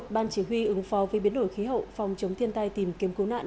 ban chỉ huy ứng phó với biến đổi khí hậu phòng chống thiên tai tìm kiếm cứu nạn